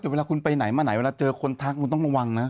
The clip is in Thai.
เวลาคุณไปไหนมาไหนเวลาเจอคนทักคุณต้องระวังนะ